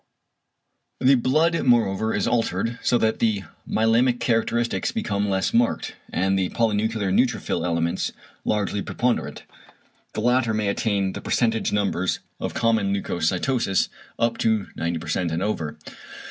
The blood moreover is altered, so that the myelæmic characteristics become less marked, and the polynuclear neutrophil elements largely preponderate. The latter may attain the percentage numbers of common leucocytosis up to 90% and over.